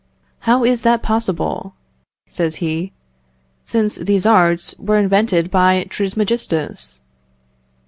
"How is that possible," says he, "since these arts were invented by Trismegistus?"